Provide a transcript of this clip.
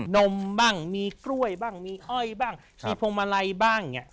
นมบ้างมีกล้วยบ้างมีอ้อยบ้างมีพวงมาลัยบ้างเนี่ย